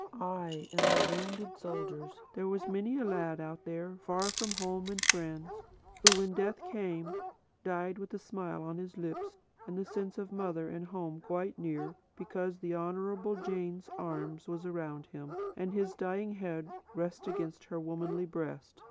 Ay, and the wounded soldiers! There was many a lad out there, far from home and friends, who, when death came, died with a smile on his lips, and a sense of mother and home quite near, because the Honourable Jane's arm was around him, and his dying head rested against her womanly breast.